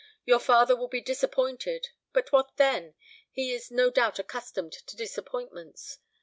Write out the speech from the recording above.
Your father will be disappointed. But what then? He is no doubt accustomed to disappointments.